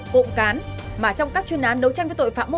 cộng cán mà trong các chuyên án đấu tranh với tội phạm mục đích